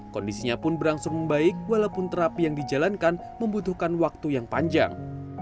kondisinya pun berangsur membaik walaupun terapi yang dijalankan membutuhkan waktu yang panjang